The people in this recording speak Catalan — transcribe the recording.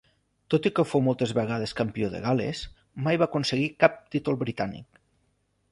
Tot i que fou moltes vegades campió de Gal·les, mai va aconseguir cap títol britànic.